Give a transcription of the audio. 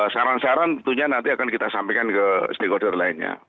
saran saran tentunya nanti akan kita sampaikan ke stakeholder lainnya